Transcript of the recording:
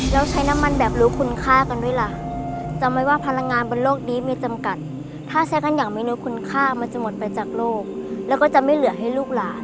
แล้วใช้น้ำมันแบบรู้คุณค่ากันไหมล่ะจำไหมว่าพลังงานบนโลกนี้มีจำกัดถ้าใช้กันอย่างไม่รู้คุณค่ามันจะหมดไปจากโลกแล้วก็จะไม่เหลือให้ลูกหลาน